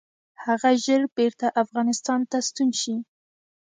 هغه ژر بیرته افغانستان ته ستون شي.